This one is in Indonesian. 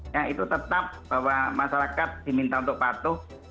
ya itu tetap bahwa masyarakat diminta untuk patuh